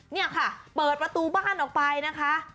นี่ค่ะเปิดประตูบ้านออกไปนะคะ